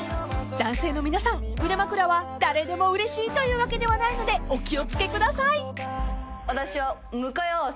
［男性の皆さん腕まくらは誰でもうれしいというわけではないのでお気を付けください］私は。